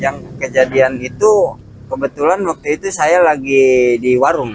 yang kejadian itu kebetulan waktu itu saya lagi di warung